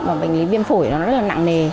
và bệnh lý viêm phổi nó rất là nặng nề